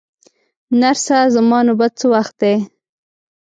نرسه، زما نوبت څه وخت دی؟